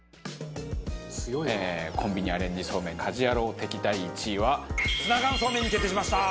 コンビニアレンジそうめん家事ヤロウ的第１位はツナ缶そうめんに決定しました。